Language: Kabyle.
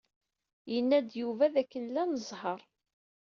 Yenna-d Yuba dakken lan zzheṛ.